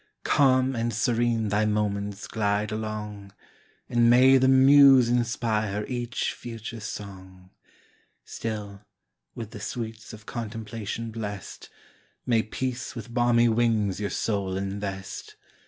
Calm and serene thy moments glide along, And may the muse inspire each future song! Still, with the sweets of contemplation bless'd, May peace with balmy wings your soul invest!